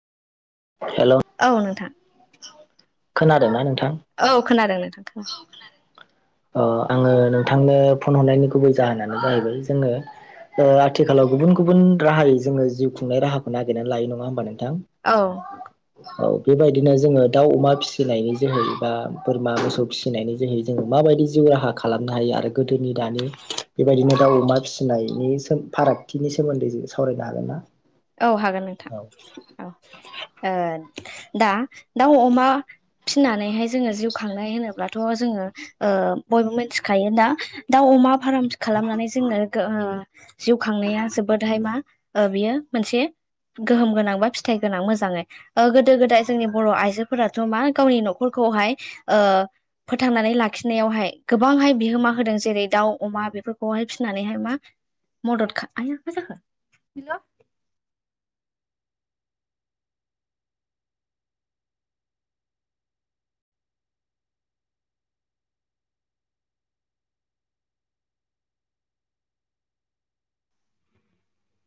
औ नोंथां खोनादों ना नों औ खोनादों नोंथां खोना आङो नोंथांनो फन हरनायनि गुबै जाहोनानो जाहैबाय जोङो ओ आथिखालाव गुबुन गुबुन राहायै जोङो जिउ खुंनाय राहाखौ नागिरनानै लायो नङा होमबा नोंथांा औ औ बेबायदिनो जोङो दाउ अमा फिसिनायनि जोहै बा बोरमा मोसौ फिसिनायनि जोहै जोङो माबायदि जिउ राहा खालामनो हायो आरो गोदोनि दानि बेबायदिनो दाउ अमा फिसिनायनि फारागथिनि सोमोन्दै सावरायनो हागोन ना? औ हागोन नोंथां औ औ ओ दा दाउ अमा फिनानैहाय जोङो जिउ खांनाय होनोब्ला थ' जोङो ओ बयबो मिथिखायोोना दाउ अमा फार्म खालामनानै जोङो जिउ खांनाया जोबोदहाय मा ओ बियो मोनसे गोहोम गोनां बा फिथाइ गोनां मोजाङै गोदो गोदाय जोंनि बर' आइजोफोराथ' मा गावनि न'खरखौ। ओ फोथांनानै लाखिनायावहाय गोबांहाय बिहोमा होदों जेरै दाउ अमा हानाय फोरखौहाय फिसिनानैहाय मा मदद आया मा जाखो? हेलौ!